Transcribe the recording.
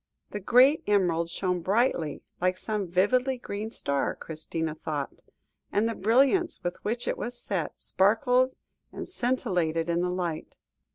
The great emerald shone brightly like some vividly green star, Christina thought, and the brilliants with which it was set, sparkled and scintillated in the light.